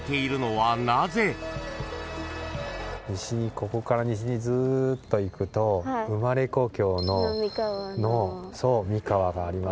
ここから西にずーっといくと生まれ故郷の三河があります。